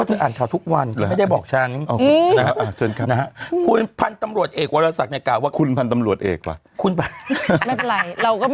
ไม่เป็นไรเราก็มีคุณนำหน้าไปให้ด้วย